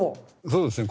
そうですね